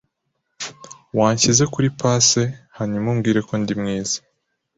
Wanshyize kuri pase hanyuma umbwire ko ndi mwiza